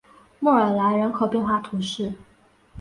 莫尔莱人口变化图示